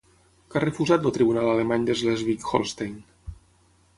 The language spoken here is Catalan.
Què ha refusat el tribunal alemany de Slesvig-Holstein?